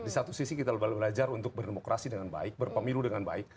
di satu sisi kita belajar untuk berdemokrasi dengan baik berpemilu dengan baik